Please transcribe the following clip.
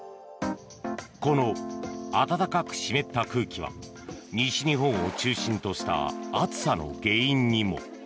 この暖かく湿った空気は西日本を中心とした暑さの原因にも。